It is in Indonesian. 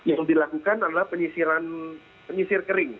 untuk dilakukan adalah penyisiran kering